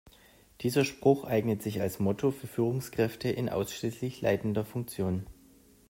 Dieser Spruch eignet sich als Motto für Führungskräfte in ausschließlich leitender Funktion.